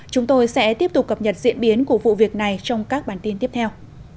chúng tôi sẽ tiếp tục cập nhật diễn biến của vụ việc này trong các bản tin tiếp theo